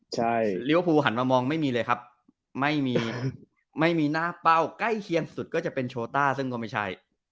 ใช่ลิเวอร์พูลหันมามองไม่มีเลยครับไม่มีไม่มีหน้าเป้าใกล้เคียงสุดก็จะเป็นโชต้าซึ่งก็ไม่ใช่